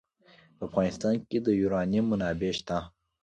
په افغانستان کې د یورانیم منابع شته.